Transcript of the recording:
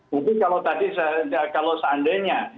mungkin kalau tadi kalau seandainya